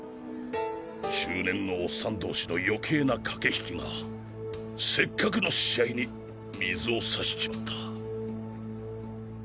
中年のオッサン同士の余計な駆け引きがせっかくの試合に水を差しちまった。